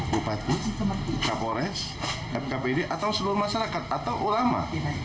bupati kapolres fkp ini atau seluruh masyarakat atau ulama